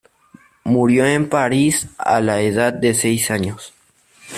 Murió en París a la edad de seis años.